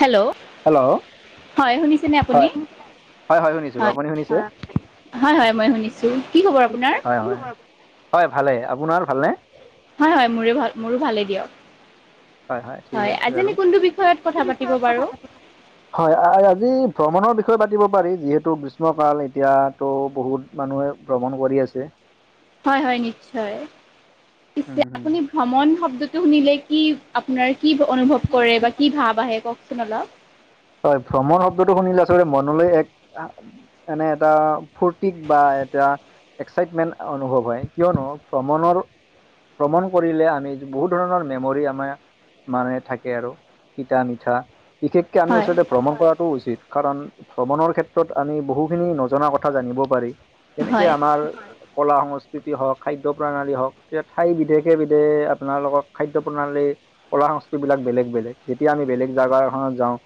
Hello hello. হয় শুনিছেনে আপুনি হয় হয় হয় শুনিছো, আপুনি শুনিছে? হয় হয় মই শুনিছো। কি খবৰ? আপোনাৰ হয় হয় হয় ভালে, আপোনাৰ ভালনে? হয় হয় মোৰে ভাল মোৰো ভালেই দিয়ক। হয় হয় ঠিক আছে আজি বাৰু আমি [inaudible] কোনটো বিষয়ত কথা পাতিব বাৰু হয় আজি ভ্ৰমণৰ বিষয়ে পাতিব পাৰি, যিহেতু গ্ৰীষ্মকাল এতিয়াতো বহুত মানুহে ভ্ৰমণ কৰি আছে। হয় হয় নিশ্চয়, উম পিছে হম আপুনি ভ্ৰমণ শব্দটো শুনিলে কি আপোনাৰ কি অনুভৱ কৰে বা কি ভাৱ আহে? কওকচোন অলপ। হয় ভ্ৰমণ শব্দটো শুনিলে আচলতে মনলে এক এনে এটা ফূৰ্তিক বা এটা এক্সাইটমেণ্ট অনুভৱ হয়, কিয়নো ভ্ৰমণৰ ভ্ৰমণ কৰিলে আমি বহুত ধৰণৰ মেমৰি আমাৰ মানে থাকে আৰু তিতা মিঠা বিশেষকে আমি হয় আচলতে ভ্ৰমণ কৰাটো উচিত কাৰণ ভ্ৰমণৰ ক্ষেত্ৰত আমি বহুখিনি নজনা কথা জানিব পাৰি। তেনেকে হয় আমাৰ কলা সংস্কৃতি হওক খাদ্য প্ৰণালী হওক এতিয়া ঠাই বিধেকে বিধে আপোনালোকৰ খাদ্য প্ৰণালী কলা সংস্কৃতি বিলাক বেলেগ বেলেগ যেতিয়া আমি বেলেগ জেগা এখনত যাওঁ।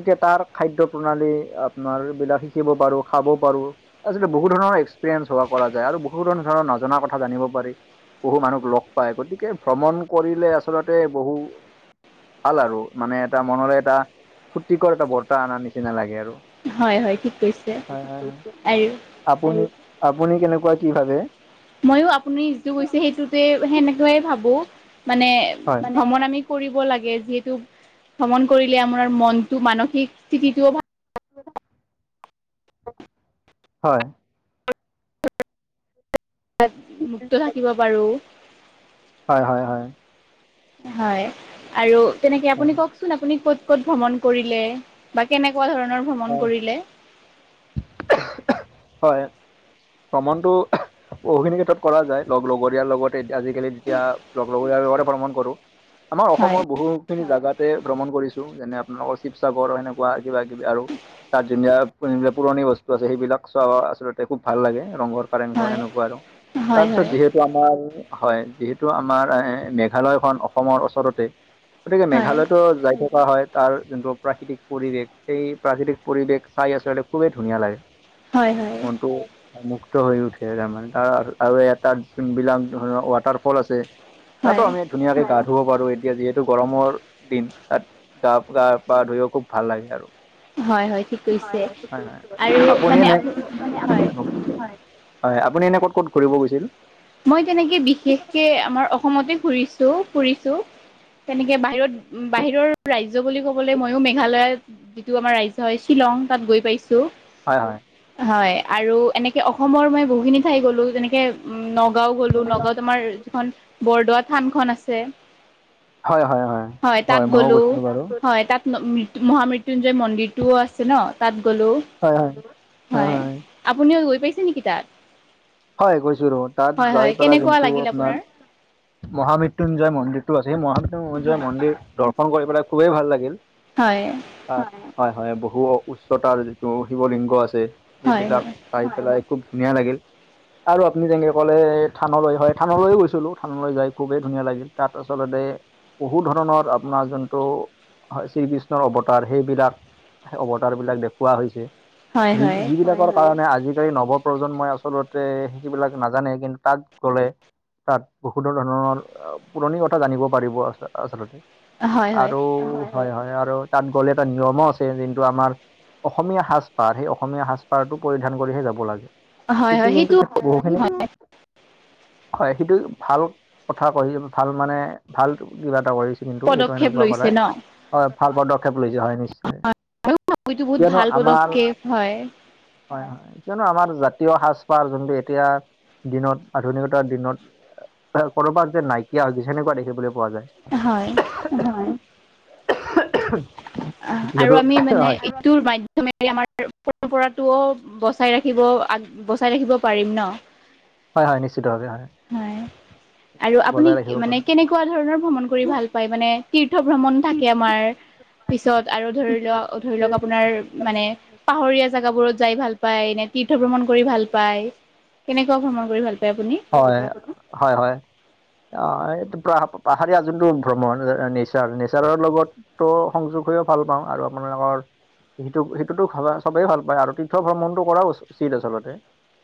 তেতিয়া তাৰ খাদ্য প্ৰণালী আপোনাৰবিলাক শিকিব পাৰোঁ খাব পাৰোঁ। আজিকালি বহু ধৰণৰ এক্সপিৰিয়েঞ্চ হোৱা কৰা যায় আৰু বহু ধৰৰ ধৰণৰ নজনা কথা জানিব পাৰি। বহু মানুহ লগ পায় গতিকে ভ্ৰমণ কৰিলে আচলতে বহু ভাল আৰু মানে এটা মনৰে এটা ফুৰ্তিকৰ এটা বতাহ আনাৰ নিচিনা লাগে আৰু। হয় হয় ঠিক কৈছে হয় হয় হয় আইৰু আপুনি আপুনি কেনেকুৱা কি ভাবে? মইয়ো আপুনি যিটো কৈছে সেইটোতে সেনেকুৱে ভাবো। মানে হয় ভ্ৰমণ আমি কৰিব লাগে যিহেতু ভ্ৰমণ কৰিলে আমাৰ মনটো মানসিক স্থিতিটো ভাল [unintelligible] হয়। তাত মুক্ত থাকিব পাৰো। হয় হয় হয়। হয় আৰু তেনেকে আপুনি কওক চোন আপুনি ক'ত ক'ত ভ্ৰমণ কৰিলে বা কেনেকুৱা ধৰণৰ ভ্ৰমণ কৰিলে? হয় ভ্ৰমণটো বহুখিনি ক্ষেত্ৰত কৰা যায় লগৰীয়াৰ লগতে আজিকালি যেতিয়া লগৰীয়াৰ লগতে ভ্ৰমণ কৰো। [inaudible] আমাৰ অসমৰ বহু খিনি জাগাতে ভ্ৰমণ কৰিছো যেনে আপোনালোকৰ শিৱসাগৰ সেনেকুৱা কিবা কিবি আৰু [unintelligible] পুৰণি বস্তু আছে সেইবিলাক চোৱা আচলতে খুব ভাল লাগে ৰংঘৰ কাৰেংঘৰ হয় সেনেকুৱা আৰু হয় তাৰ পিছত হয় যিহেত- তু আমাৰ হয় যিহেতু আমাৰ এ মেঘালয়খন অসমৰ ওচৰতে গতিকে হয় মেঘালয়তো যায় থো- কোৱা হয় তাৰ যোনটো প্ৰাকৃতিক পৰিৱেশ সেই প্ৰাকৃতিক পৰিৱেশ চাই [unintelligible] খুবেই ধুনীয়া লাগে হয় মনটো মুক্ত হৈ উঠে তাৰমানে তাৰ আৰু এটাত যোনবিলাক ধৰণৰ ৱাটাৰ ফল আছে। তাতো হয় হয় আমি ধুনীয়াকে গা ধুব পাৰো এতিয়া যিহেতু গৰমৰ দিন তাত গা গা পা ধুইও খুব ভাল লাগে আৰু। হয় হয়। ঠিক [unintelligible] হয় কৈছে আৰু মানে আপু হয় আপুনি এনে ক'ত ক'ত ঘূৰিব গৈছিল? মই তেনেকে বিশেষকে আমাৰ অসমতে ঘুৰিছো ফুৰিছো। তেনেকে বাহিৰত বাহিৰৰ ৰাজ্য বুলি ক'বলে মইও মেঘালয়ত যিটো আমাৰ ৰাইজ হয় শ্বিলং তাত গৈ পাইছো। হয় হয়। হয় আৰু এনেকে অসমৰ মই বহুখিনি ঠাই গ'লো যেনেকে নগ- গাঁও গ'লো নগাঁওত তোমাৰ যিখন বৰদোৱা থান খন আছে। হয় হয় হয় তাত ময়ো গলো গৈছিলো বাৰু হয় তাত ন মহামৃত্যুঞ্জয় মন্দিৰটোও আছে ন তাত গ'লোঁ। হয় হয় হয়, আপুনিও গৈ পাইছে নেকি তাত? হয় গৈছো ৰ তাত হয় হয় যাই পেলাই কেনেকুৱা যোনটো লাগিল আপোনাৰ মহামৃত্যুঞ্জয় মন্দিৰটো আছে সেই মহামৃত্যুঞ্জয় হয় মন্দিৰ দৰ্শন কৰি পেলাই খুবেই ভাল লাগিল। হয়। অ হয় হয় বহু উচ্চতাৰ যিটো শিৱ লিংগ আছে হয় হয় সেইবিলাক। চাই পেলাই খুব ধুনীয়া লাগিল আৰু আপুনি যেনেকে কলে থানলৈ হয় থানলৈয় গৈছিলো থানলৈ যাই খুবেই ধুনীয়া লাগিল তাত আচলতে বহু ধৰণৰ আপোনাৰ যোনটো হয়, শ্ৰীকৃষ্ণৰ অৱতাৰ সেইবিলাক অৱতাৰ বিলাক দেখুওৱা হৈছে। হয় যি হয় যি বিলাকৰ কাৰণে আজিকালি নৱ প্ৰজন্মই আচলত তে, সেইবিলাক নাজানে, কিন্তু তাত গ'লে তাত বহুতো ধৰণৰ পুৰণি কথা জানিব পাৰিব আচ আচলতে হয় হয় আৰু হয়', হয়' আৰু তাত গ'লে এটা নিয়মো আছে যোনটো আমাৰ অসমীয়া সাজ -পাৰ সেই অসমীয়া সাজ-পাৰটো পৰিধান কৰিহে যাব লাগে হয় সেইটো কিন্তু বহুখিনি [unintelligible] হয়', সেইটো ভাল কথা ক'য় ভাল মানে, ভাল কিবা এটা কৰিছে। কিন্তু সেইটো পদক্ষেপ এনেকুৱা লৈছে কৰাই, ন হয়' ভাল পদক্ষেপ লৈছে হয়' নিশ্চয়। [unintelligible] সেইটো বহুত কিয়নো ভাল আমাৰ পদক্ষেপ হয়। হয় - হয়, কিয়নো আমাৰ জাতীয় সাজ পাৰজন এতিয়া দিনত আধুনিকতাৰ দিনত ক'ৰবাত যে নাইকিয়া হৈ গৈছে সনেকুৱা দেখিবলৈ পোৱা যায়। হয় অ', আৰু যিহেতু আমি মানে হয় ইটোৰ মাধ্যম [unintelligible] আমাৰ পৰম্পৰাটোও বচাই ৰাখিব আগ বচাই ৰাখিব পাৰিম ন'? হয়', হয়' নিশ্চিতভাৱে হয়। আৰু আপুনি বজাই ৰাখিব মানে পাৰো। কেনেকুৱা ধৰণৰ ভ্ৰমণ কৰি ভাল পায়? মানে তীৰ্থ ভ্ৰমণ থাকে আমাৰ পিছত আৰু ধৰি লোৱা ধৰি লওঁক আপোনাৰ মানে পাহৰীয়া জেগাবোৰত যাই ভাল পায় নে? তীৰ্থ ভ্ৰমণ কৰি ভাল পায়? কেনেকুৱা ভ্ৰমণ কৰি ভাল পায় আপুনি? হয়', হয়', হয়'। অ', এইটো পা পাহাৰীয়া যোনটো ভ্ৰমণ নেচাৰ নেচাৰৰ লগত ত' সংযোগ হৈও ভাল পাওঁ, আৰু আপোনালোকৰ সেইটো সেইটোতো ভালে চবেই ভাল পায়, আৰু তীৰ্থ ভ্ৰমণটো কৰাও উচিত আচলতে,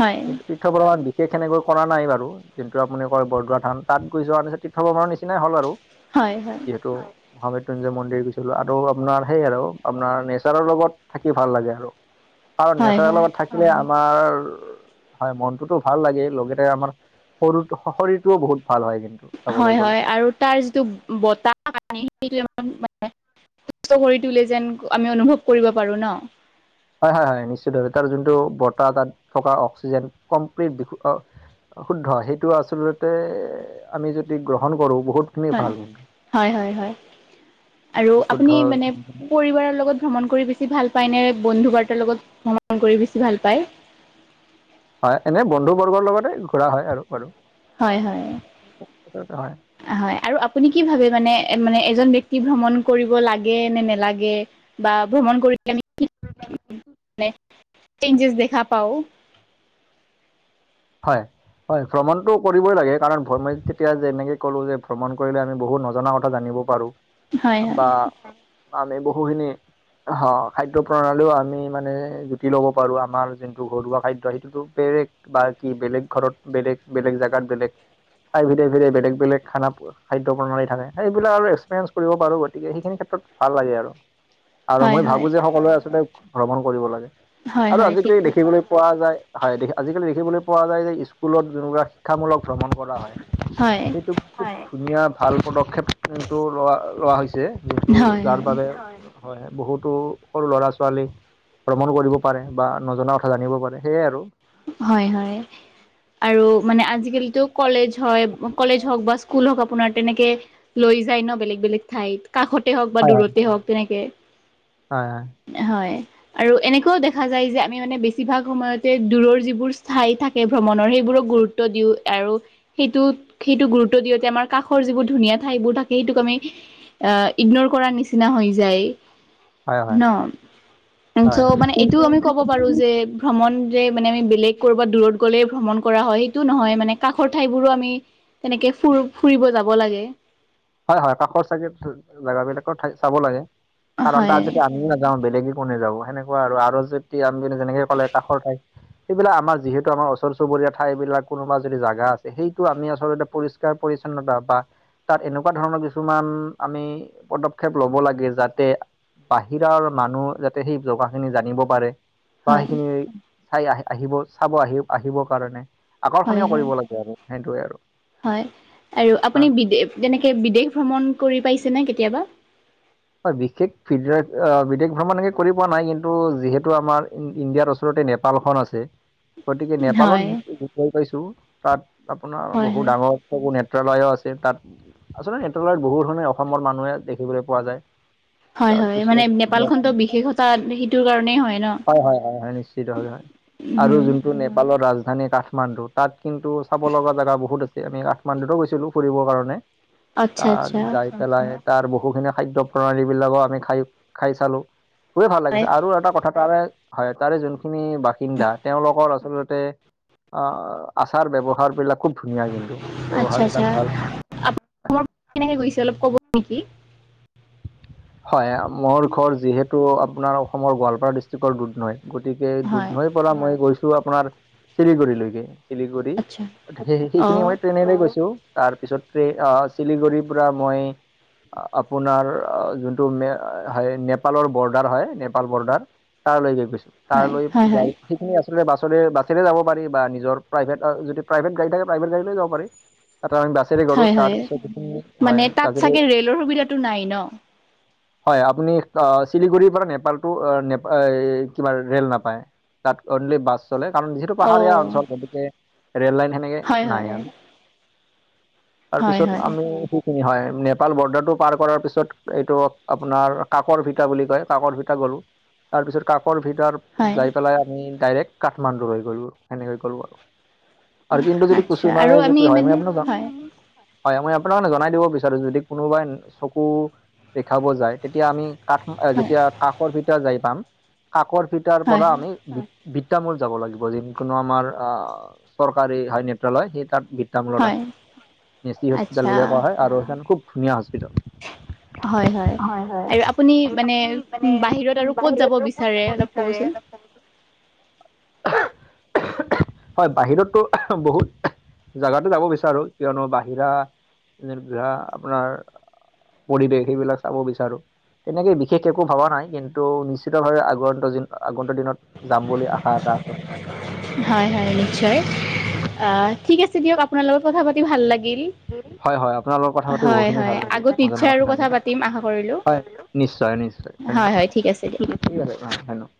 হয় কিন্তু তীৰ্থ ভ্ৰমণ বিশেষ সেনেকৈ কৰা নাই বাৰু, যোনটো আপুনি কয় বৰদোৱা থান, তাত গৈ যোৱাৰ পিছত তীৰ্থভ্ৰমণৰ নিচিনাই হ'ল আৰু। হয়', হয়' যিহেতু মহামৃত্যুঞ্জয় মন্দিৰ গৈছিলোঁ, আৰু আপোনাৰ সেই আৰু আপোনাৰ নেচাৰৰ লগত থাকি ভাল লাগে আৰু কাৰণ হয় নেচাৰৰ হয় লগত থাকিলে আমাৰ হয়, মনটোতো ভাল লাগে লগে তে আমাৰ সৰু শৰীৰটোও বহুত ভাল হয় কিন্তু চাবলৈ হয়', গ'লে হয়' আৰু তাৰ যিটো বতাহ [inaudible] সেই মানে সুস্থ কৰি তোলে যেন আমি অনুভৱ কৰিব পাৰোঁ ন? হয়' হয়' হয়' নিশ্চিত ভাৱে তাৰ যোনটো বতাহ তাত থকা অক্সিজেন কমপ্লিট শুদ্ধ, সেইটো আচলতে আমি যদি গ্ৰহণ কৰোঁ বহুত হয়', হয়' হয়' হয়' আৰু বিশুদ্ধ আপুনি মানে পৰিবাৰৰ লগত ভ্ৰমণ কৰি বেছি ভাল পায় নে? বন্ধু বাৰ্তাৰ লগত ভ্ৰমণ কৰি বেছি ভাল পায়? হয়' এনে বন্ধু বৰ্গৰ লগতে ঘূৰা হয় আৰু বাৰু হয়', হয়' আচলতে হয় হয়' আৰু আপুনি কি ভাবে মানে, মানে এজন ব্যক্তি ভ্ৰমণ কৰিব লাগে নে নালাগে? বা ভ্ৰমণ কৰি কেনেকে কি [unintelligible] চেঞ্জেজ দেখা পাওঁ? হয়। হয়, ভ্ৰমণটো কৰিবই লাগে কাৰণ ভ্ৰমণ যেতিয়া যেনেকে ক'লো যে ভ্ৰমণ কৰিলে আমি বহুত নজনা কথা জানিব পাৰো হয় হয় বা আমি বহুখিনি হহঁহ্, খাদ্য প্ৰণালীও আমি মানে জুতি ল'ব পাৰোঁ আমাৰ যোনটো ঘৰুৱা খাদ্য সেইটোতো বেলেগ বাকী বেলেগ ঘৰত বেলেগ, বেলেগ জেগাত বেলেগ ঠাই ভেদে ভেদে বেলেগ বেলেগ খানা পোৱা খাদ্য প্ৰণালী থাকে। এইবিলাক আৰু এক্সপ্ৰিয়েঞ্চ কৰিব পাৰোঁ গতিকে, সেইখিনি ক্ষেত্ৰত ভাল লাগে আৰু। আৰু হয় মই হয় ভাৱোঁ যে সকলোৱে আচলতে ভ্ৰমণ কৰিব লাগে হয় আৰু হয় ঠিক আজিকালি দেখিবলৈ পোৱা যায় হয়, দেখি আজিকালি দেখিবলৈ পোৱা যায় যে স্কুলত যোনবিলাক শিক্ষামূলক ভ্ৰমণ কৰা হয়। হয় সেইটোক্ হয়, ধুনীয়া ভাল পদক্ষেপটো লোৱা লোৱা হৈছে যিটো হয় যাৰ বাবে হয়, বহুতো সৰু ল'ৰা-ছোৱালীক ভ্ৰমণ কৰিব পাৰে বা নজনা কথা জানিব পাৰে সেয়াই আৰু। হয়, হয়। আৰু মানে আজিকালিটো কলেজ হয়, কলেজ হওক বা স্কুল হওক আপোনাৰ তেনেকে লৈ যায় ন' বেলেগ বেলেগ ঠাইত। কাষতে হওক বা হয় হয় দূৰতে হওক তেনেকে। হয় হয় হয় আৰু অনেকুৱাও দেখা যায় যে আমি মানে বেছিভাগ সময়তে দূৰৰ যিবোৰ স্থাই থাকে ভ্ৰমণৰ সেইবোৰক গুৰুত্ব দিওঁ আৰু সেইটোত সেইটো গুৰুত্ব দিওঁতে আমাৰ কাষৰ যিবোৰ ধুনীয়া ঠাইবোৰ থাকে সেইটোক আমি আঁ, ইগ্নৰ কৰাৰ নিচিনা হৈ যায় হয় হয় ন? হয় চ' মানে এইটো আমি ক'ব পাৰোঁ যে ভ্ৰমণ যে মানে, আমি বেলেগ কৰবাত দূৰত গ'লে ভ্ৰমণ কৰা হয়। সেইটো নহয় মানে, কাষৰ ঠাই বোৰো আমি তেনেকে ফুৰ ফুৰিব যাব লাগে। হয়, হয় কাষৰ চাগে জেগাবিলাকৰ ঠাই চাব লাগে। কাৰণ হয় তাত যদি আমিয়ে নাযাওঁ বেলেগে কোনে যাব সেনেকুৱা আৰু। আৰু যেতিয়া আপুনি যেনেকে ক'লে কাষৰ ঠাইক সেইবিলাক আমাৰ যিহেতু আমাৰ ওচৰ চুবীয়া ঠাইবিলাক কোনোবা যদি জাগা আছে সেইটো আমি আচলতে পৰিষ্ পৰিষ্কাৰ- পৰিচ্ছন্নতা বা তাত এনেক্ কুৱা ধৰণৰ কিছুমান আমি পদক্ষেপ ল'ব লাগে যাতে বাহিৰৰ মানুহ যাতে সেই জগা খিনি জানিব পাৰে বা হয় সেইখিনিৰ চাই আহি আহিব চাব, আহি আহিবৰ কাৰণে। হয়, আকৰ্ষণীয় হয় কৰিব লাগে আৰু সেইটোৱে আৰু হয় আৰু আপুনি বিদে যেনেকে বিদেশ ভ্ৰমণ কৰি পাইছেনে কেতিয়াবা হয়, বিশেষ ফিজুৱা আঁ--বিদেশ ভ্ৰমণ হেনেকে কৰি পোৱা নাই কিন্তু যিহেতু আমাৰ ইণ্ড ইণ্ডিয়াৰ ওচ ওচৰতে নেপালখন আছে। গতিকে, নেপালত হয় গ গৈ পাইছোঁ তাত আপোনাৰ হয় বহুত হয় ডাঙৰ চকু নেত্ৰালয়ো আছে তাত। আচলতে নেত্ৰালয় বহুত ধৰণে অসমৰ মানুহে দেখিবলৈ পোৱা যায়। হয় হয় তাৰপিছত মানে নেপালখনতো বিশেষতা সেইটোৰ কাৰণেই ন হয়, হয় হয় নিশ্চিত ভাৱে হয়। আৰু উম যোনটো নেপালৰ ৰাজধানী কাঠ মাণ্ডু তাত কিন্তু চাব লগা জেগা বহুত আছে। আমি কাঠমাণ্ডুটো গৈছিলো ফুৰিবৰ কাৰণে। আচ্ছা তাত আচ্ছা যাই পেলাই তাৰ বহুখিনি খাদ্য প্ৰণালী বিলাকো আমি খাই খাই চালোঁ। খুবেই ভাল লাগিছে হয় আৰু এটা কথা তাৰে হয় তাৰে যোন খিনি বাসিন্দা তেওঁলোকৰ আচলতে আঁ আচাৰ-ব্যৱহাৰ বিলাক খুব ধুনীয়া কিন্তু ব্যৱহাৰ বিলাক ভাল আপুনি ভ্ৰমণ কেনেকে কৰিছে অলপ কব নেকি? হয়, মোৰ ঘৰ যিহেতু আপোনাৰ অসমৰ গোৱালপাৰা ডিষ্ট্ৰিক্টৰ দুধনৈত গতিকে, হয় দুধনৈৰ পৰা মই গৈছো আপোনাৰ চিলিগুৰিলৈকে, চিলিগুৰি আচ্ছা গতিকে, সেই অ সেইখিনি সময়ত ট্ৰেইনেৰে গৈছোঁ তাৰপিছত ট্ৰ চিলিগুৰিৰ পৰা মই আপোনাৰ যোনটো মে হয় নেপালৰ বৰ্ডাৰ হয় নেপাল বৰ্ডাৰ তালৈকে গৈছোঁ তাৰ হয় লৈ হয় [unintelligible] হয় সেইখিনি আচলতে বাছলৈ বাছেৰে যাব পাৰি বা নিজৰ প্ৰাইভেট যদি প্ৰাইভেট গড়ী থাকে প্ৰাইভেট গডীলৈ যাবাৰি তাৰ আমি বাছেৰে গ'লো হয় তাৰপিছতখ হয় অশোবিধাটো নাই ন হয় আপুনি চিলিগুৰিৰ পৰা নেপালতটো ন কিবা ৰেল নাপায় তাত অনলি বাছ চলে কাৰণ যিহেতু অ পাহাৰীয়া অঞ্চল গতিকে ৰেল লাইন সেনেকে হয় হয় নাই আৰু হয় তাৰপিছত হয় আমি সেইখিনি হয় নেপাল বৰ্ডাৰটো পাৰ কৰাৰ পিছত এইটো আপোনাৰ কাকৰ ভিতা বুলি কয় কাকৰ ভিতা গলো তাৰ পিছত কাকৰ ভিতাৰ হয় যাই পেলাই আমি ডাইৰেক্ট কাঠমাণ্ডু হৈ গ'লো সেনেকৈ গ'লো আৰু আৰু কিন্তু যদি আচ্ছা কিছুমানে আৰু আমি যদি হয় মই মানে আপনাক হয় হয় মই আপোনাকে জনাই দিব বিচাৰো যদি কোনোবাই চকু দেখাব যায় তেতিয়া আমি কাঠ হয় যেতিয়া কাকৰ ফিতা যাই পাম কাকৰ ফিটাৰ হয় পৰা আমি বিত্তামূল যাব লাগিব যিকোনো আমাৰ আহ চৰকাৰী হয় নেত্ৰালয় সেই তাত মূলত হয় আছে এচি হস্পিতেল আচ্ছা বুলিয়ে কোৱা হয় আৰু সেইখন খুব ধুনীয়া হস্পিতেল হয় হয় আৰু আপুনি মানে বাহিৰত আৰু কত যাব বিচাৰে অলপ কবচোন [inaudible] হয় বাহিৰতো বহুত জাগাতে যাব বিচাৰো কিয়নো বাহিৰা [unintelligible] আপোনাৰ পৰিৱেশ সেইবিলাক চাব বিচাৰো তেনেকেই বিশেষ একো ভবা নাই কিন্তু নিশ্চিতভাৱে আগন্ত দিন আগন্ত দিনত যাম বুলি আশা এটা আছে আৰু হয় হয় নিশ্চয় আহ ঠিক আছে দিয়ক আপোনাৰ লগত কথা পাতি ভাল লাগিল হয় হয় আপোনাৰ লগত কথা পাতি হয় বহুখিনি হয় ভাল লাগিল আগত নজনা নিশ্চয় আৰু কথা পাতিম আশা কৰিলোঁ জানিলো নিশ্চয় নিশ্চয় হয় হয় ঠিক আছে দিয়ক ধন্যবাদ ঠিক আছে অ ধন্যবাদ